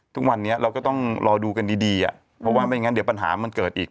ทุกวันนี้เราก็ต้องรอดูกันดีเพราะว่าไม่งั้นเดี๋ยวปัญหามันเกิดอีก